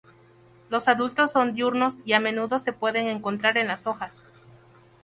Los adultos son diurnos y a menudo se pueden encontrar en las hojas.